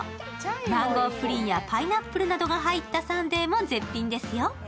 マンゴープリンやパイナップルなどが入ったサンデーも絶品ですよ。